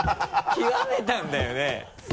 極めたんだよね？